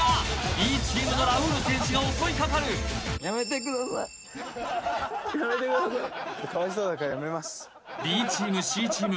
Ｂチームのラウール選手が襲いかかるＢチームＣチーム